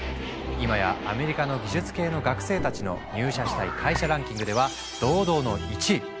今やアメリカの技術系の学生たちの入社したい会社ランキングでは堂々の１位。